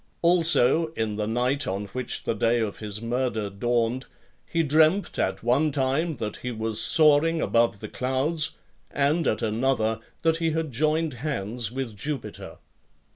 Also, in the night on which the day of his murder dawned, he dreamt at one time that he was soaring above the clouds, and, at another, that he had joined hands with Jupiter.